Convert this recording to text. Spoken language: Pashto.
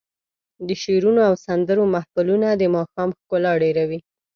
د شعرونو او سندرو محفلونه د ماښام ښکلا ډېروي.